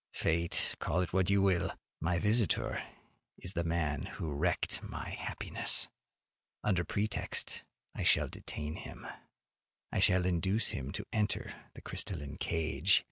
Fate, call it what you will, my visitor is the man who wrecked my happiness. Under pretext I shall detain him. I shall induce him to enter the crystalline cage.